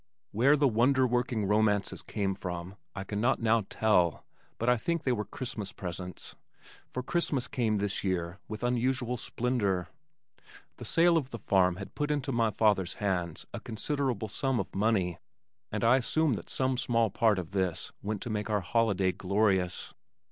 Where the wonder working romances came from I cannot now tell but I think they were Christmas presents, for Christmas came this year with unusual splendor. The sale of the farm had put into my father's hands a considerable sum of money and I assume that some small part of this went to make our holiday glorious.